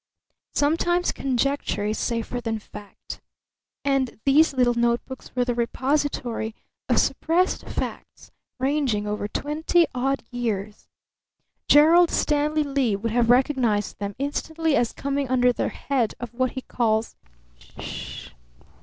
Sometimes conjecture is safer than fact. And these little notebooks were the repository of suppressed facts ranging over twenty odd years. Gerald Stanley Lee would have recognized them instantly as coming under the head of what he calls Sh!